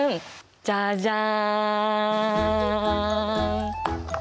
じゃじゃん。